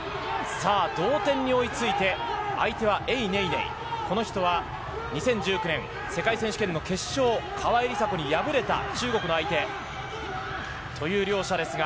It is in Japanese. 同点に追いついて相手はエイ・ネイネイ、この人は２０１９年世界選手権の決勝、川井梨紗子に敗れた中国という両者です。